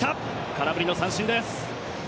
空振りの三振です。